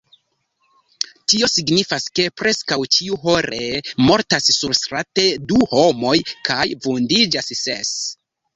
Tio signifas, ke preskaŭ ĉiuhore mortas surstrate du homoj kaj vundiĝas ses.